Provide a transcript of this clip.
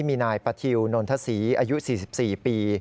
มีนายปะทิวนนทศรีอายุ๔๔ปี